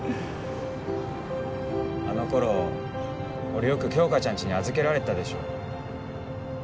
あの頃俺よく杏花ちゃんちに預けられてたでしょ